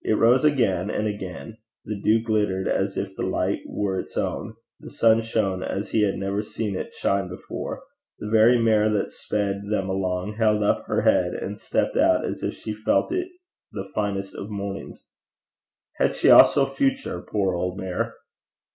It rose again and again; the dew glittered as if the light were its own; the sun shone as he had never seen him shine before; the very mare that sped them along held up her head and stepped out as if she felt it the finest of mornings. Had she also a future, poor old mare?